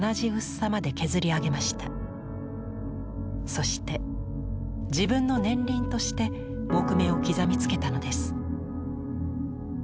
そして自分の年輪として木目を刻みつけたのです。